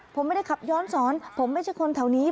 ผมไม่ได้ขับย้อนสอนผมไม่ใช่คนแถวนี้